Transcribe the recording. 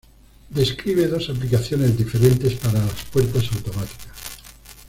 Describe dos aplicaciones diferentes para las puertas automáticas.